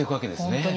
本当に。